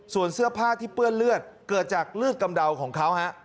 ส่วนเสื้อผ้าที่เปื้อนเลือดเกิดจากเลือดกำเดาของเขาฮะ